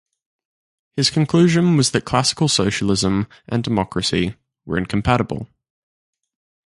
His conclusion was that classical socialism and democracy were incompatible.